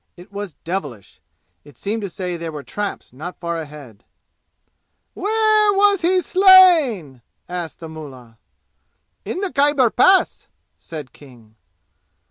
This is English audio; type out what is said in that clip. It was devilish. It seemed to say there were traps not far ahead. "Where was he slain?" asked the mullah. "In the Khyber Pass," said King.